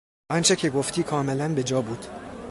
آنچه که گفتی کاملا بجا بود.